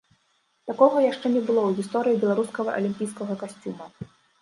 Такога яшчэ не было ў гісторыі беларускага алімпійскага касцюма.